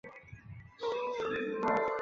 名作家谷崎润一郎的弟弟。